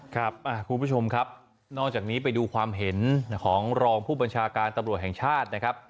คุณผู้ชมครับนอกจากนี้ไปดูความเห็นของรองผู้บัญชาการตำรวจแห่งชาตินะครับ